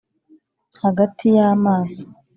hagati y'amaso